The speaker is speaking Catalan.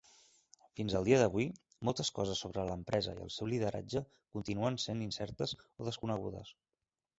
Fins al dia d'avui, moltes coses sobre l'empresa i el seu lideratge continuen sent incertes o desconegudes.